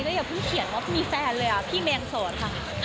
อย่าเพิ่งเขียนว่ามีแฟนเลยพี่เมย์ยังโสดค่ะ